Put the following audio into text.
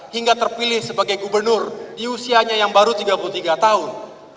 hingga terpilih sebagai gubernur di usianya yang baru tiga puluh tiga tahun